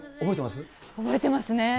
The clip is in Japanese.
覚えてますね。